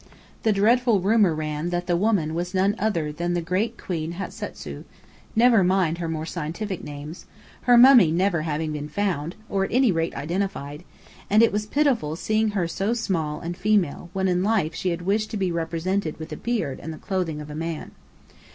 The dreadful rumour ran that the woman was none other than the great Queen Hatasu (never mind her more scientific names), her mummy never having been found, or, at any rate, identified: and it was pitiful seeing her so small and female, when in life she had wished to be represented with a beard and the clothing of a man.